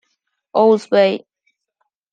Owl’s Bay.